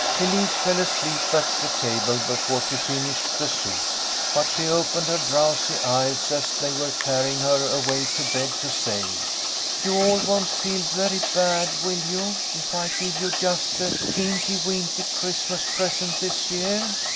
Elise fell asleep at the table before she finished the soup, but she opened her drowsy eyes as they were carrying her away to bed to say, " You all won't feel very bad, will you, if I give you just a teenty weenty Christmas present this year